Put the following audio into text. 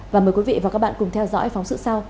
và mời quý vị và các bạn cùng theo dõi phóng sự sau